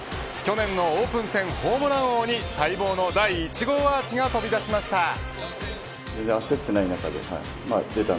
去年のオープン戦ホームラン王に待望の第１号アーチが飛び出しました。